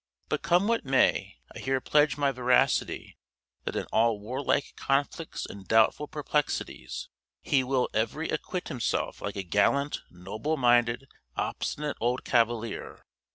But come what may, I here pledge my veracity that in all warlike conflicts and doubtful perplexities he will every acquit himself like a gallant, noble minded, obstinate old cavalier.